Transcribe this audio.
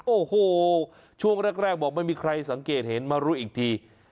โอ้โหช่วงแรกบอกไม่มีใครสังเกตเห็นมารู้อีกที